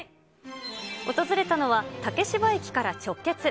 訪れたのは、竹芝駅から直結。